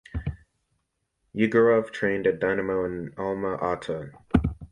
Yegorov trained at Dynamo in Alma-Ata.